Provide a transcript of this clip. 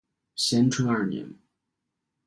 咸淳二年。